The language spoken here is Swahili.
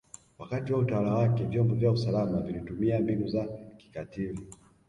Wakati wa utawala wake vyombo vya usalama vilitumia mbinu za kikatili